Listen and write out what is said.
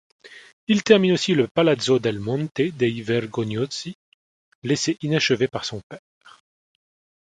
Il termine aussi le palazzo del Monte dei Vergognosi, laissé inachevé par son père.